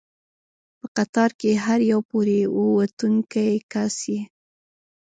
په قطار کې هر یو پورې ووتونکی کس یې.